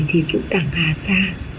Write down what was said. thì cũng tẳng hà xa